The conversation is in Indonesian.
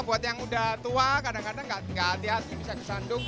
buat yang udah tua kadang kadang gak hati hati bisa kesandung